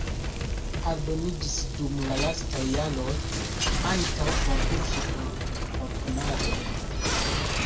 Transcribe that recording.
Aldoniĝis dum la lastaj jaroj ankaŭ konkurso por komponado.